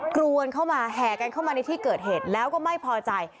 กรวนเข้ามาแห่กันเข้ามาในที่เกิดเหตุแล้วก็ไม่พอใจ